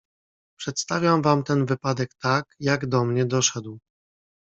"Przedstawiam wam ten wypadek tak, jak do mnie doszedł."